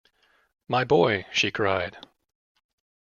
“My boy!” she cried.